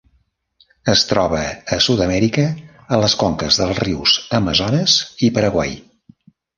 Es troba a Sud-amèrica, a les conques dels rius Amazones i Paraguai.